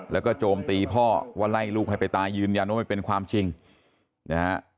แล้วก็โจมตีพ่อว่าไล่ลูกให้ไปตายยืนยันว่าไม่เป็นความจริงนะฮะ